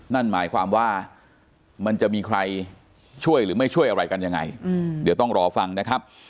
นั่นหมายความว่ามันจะมีใครช่วยหรือไม่ช่วยอะไรกันยังไงเดี๋ยวต้องรอฟังนะครับ